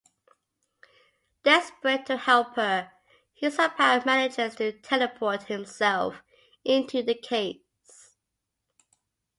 Desperate to help her, he somehow manages to teleport himself into the caves.